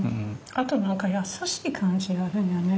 あと何か優しい感じがあるんやね